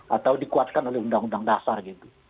atau dikuatkan oleh undang undang dasar gitu